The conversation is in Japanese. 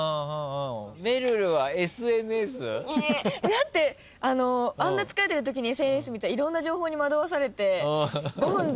だってあんな疲れてるときにＳＮＳ見たらいろんな情報に惑わされて。